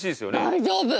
大丈夫！